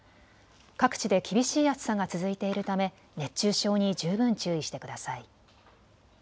各地で厳しい暑さが続いているため熱中症に十分注意してください。